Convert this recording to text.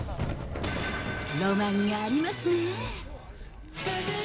ロマンがありますねぇ。